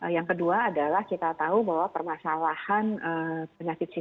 yang kedua adalah kita tahu bahwa permasalahan penyakit jantung